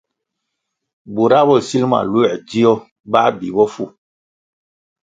Bura bo sil ma luē dzio, bā bi bofu.